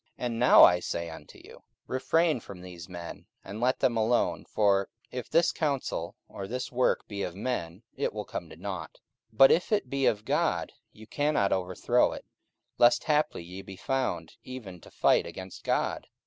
44:005:038 And now I say unto you, Refrain from these men, and let them alone: for if this counsel or this work be of men, it will come to nought: 44:005:039 But if it be of God, ye cannot overthrow it; lest haply ye be found even to fight against God.